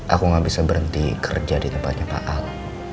aku gak bisa berhenti kerja di tempatnya pak al